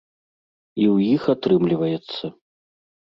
І ў іх атрымліваецца.